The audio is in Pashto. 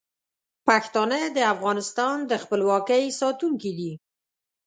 پښتانه د افغانستان د خپلواکۍ ساتونکي دي.